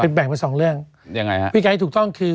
เป็นแบ่งเป็นสองเรื่องวิธีการที่ถูกต้องคือ